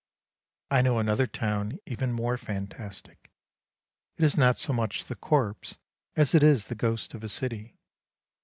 I know another town even more fantastic; it is not so much the corpse as it is the ghost of a city.